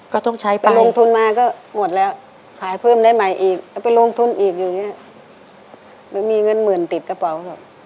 ก็ต้องใช้ไปร่วมทุนมาก็หมดแล้วขายเพิ่มได้ใหม่อีกแล้วลงทุนอีกมีเงินหมื่นเตี๊บกระเบา